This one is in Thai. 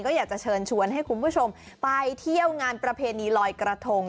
ก็อยากจะเชิญชวนให้คุณผู้ชมไปเที่ยวงานประเพณีลอยกระทง